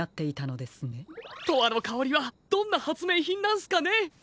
「とわのかおり」はどんなはつめいひんなんすかね？